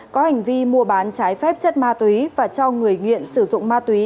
có hành vi mua bán trái phép chất ma túy và cho người nghiện sử dụng ma túy